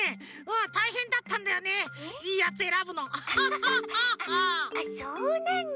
あっそうなんだ。